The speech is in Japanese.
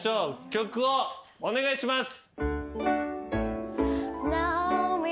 曲をお願いします。